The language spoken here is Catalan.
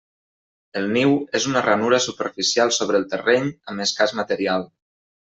El niu és una ranura superficial sobre el terreny amb escàs material.